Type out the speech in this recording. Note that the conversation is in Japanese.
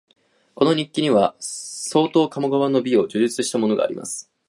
この日記には、相当鴨川の美を叙述したものがあります